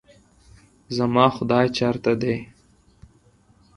زما خداے چرته دے؟